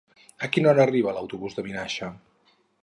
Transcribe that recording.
A quina hora arriba l'autobús de Vinaixa?